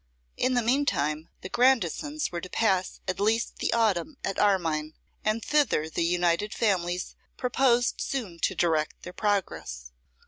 In the meantime the Grandisons were to pass at least the autumn at Armine, and thither the united families proposed soon to direct their progress.